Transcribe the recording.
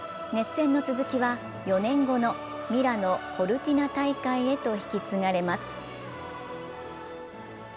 熱戦の続きは、４年後のミラノ・コルティナ大会へと引き継がれます。